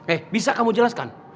eh bisa kamu jelaskan